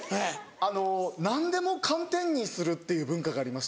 あの何でも寒天にするっていう文化がありまして。